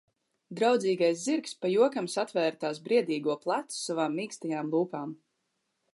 Draudzīgais zirgs pa jokam satvēra tās briedīgo plecu savām mīkstajām lūpām.